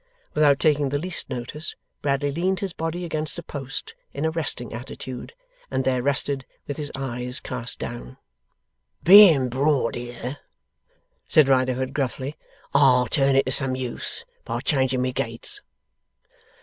Without taking the least notice, Bradley leaned his body against a post, in a resting attitude, and there rested with his eyes cast down. 'Being brought here,' said Riderhood, gruffly, 'I'll turn it to some use by changing my gates.